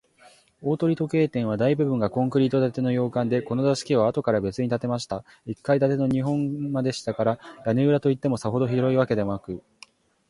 大鳥時計店は、大部分がコンクリート建ての洋館で、この座敷は、あとからべつに建てました一階建ての日本間でしたから、屋根裏といっても、さほど広いわけでなく、